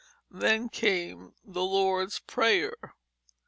then came the Lord's Prayer.